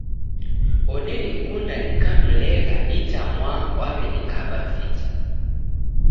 Odenikunda nikamlegha itamwaha waw'enikaba vita.